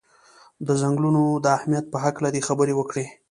د څنګلونو د اهمیت په هکله دې خبرې وکړي.